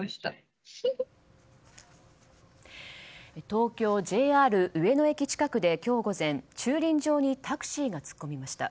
東京ＪＲ上野駅近くで今日午前駐輪場にタクシーが突っ込みました。